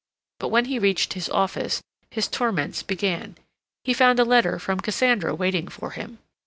But when he reached his office his torments began. He found a letter from Cassandra waiting for him.